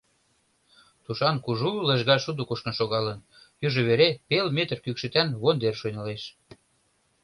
Тушан кужу лыжга шудо кушкын шогалын, южо вере пел метр кӱкшытан вондер шуйнылеш.